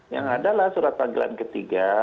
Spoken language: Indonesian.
yang adalah surat panggilan ketiga